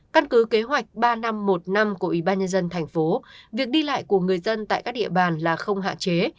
căn cứ kế hoạch ba năm một năm của ybnd tp việc đi lại của người dân tại các địa bàn là không hạ chế